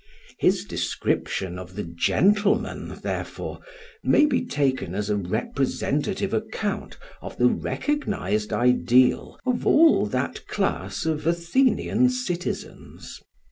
His description of the "gentleman," therefore, may be taken as a representative account of the recognised ideal of all that class of Athenian citizens.